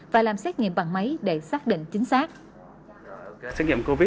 và làm xét nghiệm bằng máy để xác định chính xác